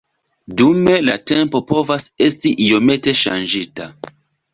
Dume la temo povas esti iomete ŝanĝita.